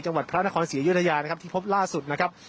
จังหวัดพระนครศรีอยุธยานะครับที่พบล่าสุดนะครับ